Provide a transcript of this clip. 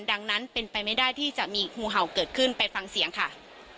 ดังนั้นเป็นไปไม่ได้ที่จะมีงูเห่าเกิดขึ้นไปฟังเสียงค่ะ